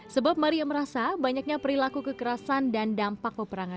sebab maria merasa banyaknya perilaku kekerasan dan dampak peperangan